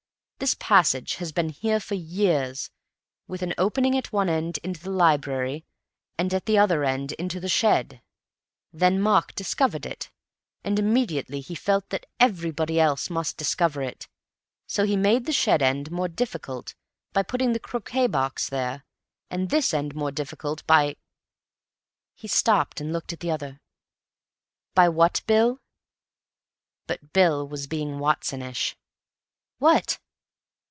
This passage has been here for years, with an opening at one end into the library, and at the other end into the shed. Then Mark discovered it, and immediately he felt that everybody else must discover it. So he made the shed end more difficult by putting the croquet box there, and this end more difficult by—" he stopped and looked at the other "by what, Bill?" But Bill was being Watsonish. "What?"